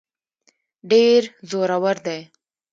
ډېر زورور دی.